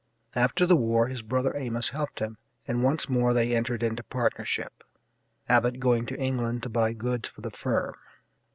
After the war his brother Amos helped him, and once more they entered into partnership, Abbott going to England to buy goods for the firm.